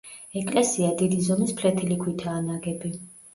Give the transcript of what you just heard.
ეკლესია დიდი ზომის ფლეთილი ქვითაა ნაგები.